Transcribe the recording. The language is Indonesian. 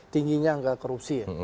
tingginya angka korupsi